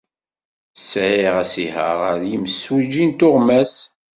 Sɛiɣ asihaṛ ɣer yimsujji n tuɣmas.